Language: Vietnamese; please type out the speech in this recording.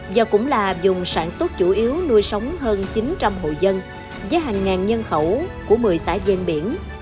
do cũng là dùng sản xuất chủ yếu nuôi sống hơn chín trăm linh hồ dân với hàng ngàn nhân khẩu của một mươi xã giang biển